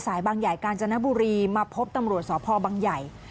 บางใหญ่กาญจนบุรีมาพบตำรวจสพบังใหญ่